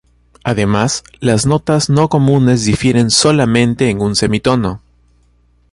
Además, las notas no comunes difieren solamente en un semitono.